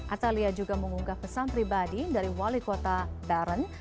atalia juga mengunggah pesan pribadi dari wali kota beron